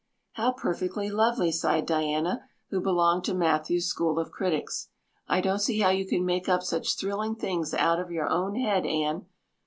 "How perfectly lovely!" sighed Diana, who belonged to Matthew's school of critics. "I don't see how you can make up such thrilling things out of your own head, Anne.